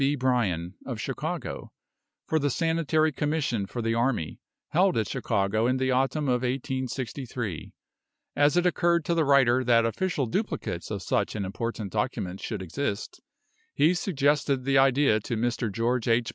B. Bryan, of Chicago, for the Sanitary Commission for the Army, held at Chicago in the autumn of 1863. As it occurred to the writer that official duplicates of such an important document should exist, he suggested the idea to Mr. George H.